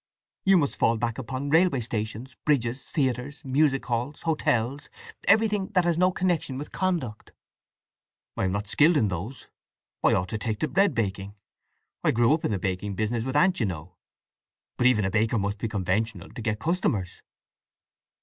You must fall back upon railway stations, bridges, theatres, music halls, hotels—everything that has no connection with conduct." "I am not skilled in those… I ought to take to bread baking. I grew up in the baking business with aunt, you know. But even a baker must be conventional, to get customers."